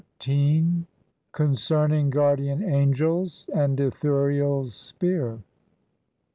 CONCERNING GUARDIAN ANGELS AND ITHURIEL'S SPEAR.